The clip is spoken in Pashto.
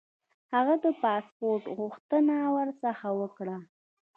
هغه د پاسپوټ غوښتنه ورڅخه وکړه.